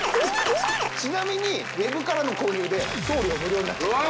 ちなみにＷＥＢからの購入で送料無料になってます